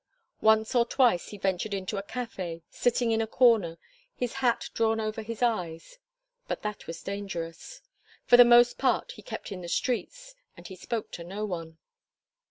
Once or twice he ventured into a cafe, sitting in a corner, his hat drawn over his eyes; but that was dangerous. For the most part he kept in the streets, and he spoke to no one.